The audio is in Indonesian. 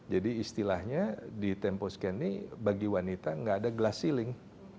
jadi istilahnya di tempo scan ini bagi wanita enggak ada glass ceiling